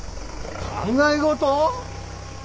考え事？